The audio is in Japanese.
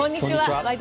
「ワイド！